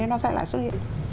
nó sẽ lại xuất hiện